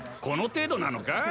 この程度なのか？